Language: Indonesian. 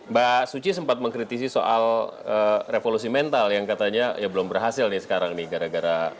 mbak suci sempat mengkritisi soal revolusi mental yang katanya ya belum berhasil nih sekarang nih gara gara